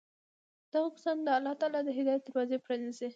دغو كسانو ته الله تعالى د هدايت دروازې پرانېزي